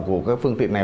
của các phương tiện này